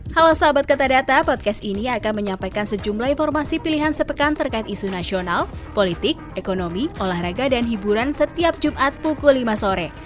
halo sahabat kata podcast ini akan menyampaikan sejumlah informasi pilihan sepekan terkait isu nasional politik ekonomi olahraga dan hiburan setiap jumat pukul lima sore